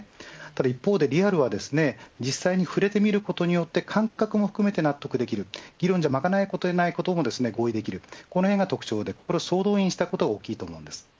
ただ一方で、リアルは実際に触れてみることによって感覚も含めて納得できる理論じゃ賄えないことも合意できるこの辺が特徴で、これを総動員したことが大きいと思います。